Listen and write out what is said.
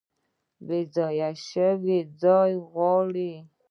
بیځایه شوي ځای غواړي